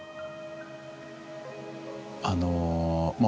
あのまあ